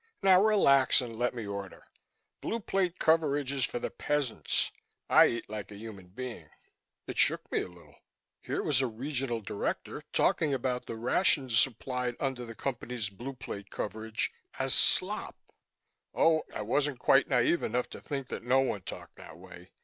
Now relax and let me order. Blue Plate coverage is for the peasants; I eat like a human being." It shook me a little. Here was a Regional Director talking about the rations supplied under the Company's Blue Plate coverage as "slop." Oh, I wasn't naive enough to think that no one talked that way.